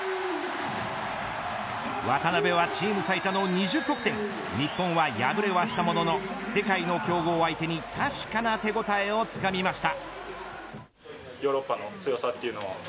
渡邊はチーム最多の２０得点日本は、敗れはしたものの世界の強豪相手に確かな手応えをつかみました。